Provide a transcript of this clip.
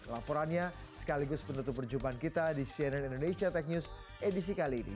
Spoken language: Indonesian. laporannya sekaligus penutup perjumpaan kita di cnn indonesia tech news edisi kali ini